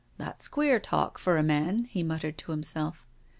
" That's queer talk from a man," he muttered to himself.